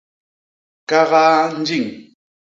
Kagaa njiñ.